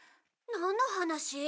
なんの話？